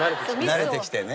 慣れてきてね。